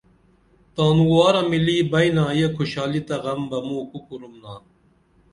تانوارہ ملی بئنا یہ کھوشالی تہ غم بہ موں کُو کُرُمنا